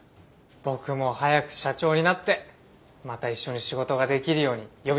僕も早く社長になってまた一緒に仕事ができるように呼び戻しますんで。